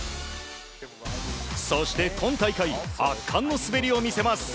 そして、今大会圧巻の滑りを見せます。